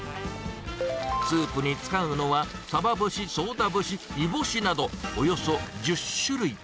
スープに使うのは、サバ節、ソウダ節、煮干しなど、およそ１０種類。